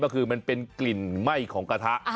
มันจะมีกลิ่นไหม้ของกระทะ